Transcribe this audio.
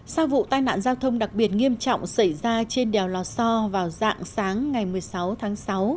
sau vụ tai nạn giao thông đặc biệt nghiêm trọng xảy ra trên đèo lò so vào dạng sáng ngày một mươi sáu tháng sáu